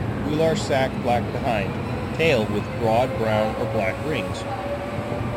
Gular sac black behind; tail with broad brown or black rings.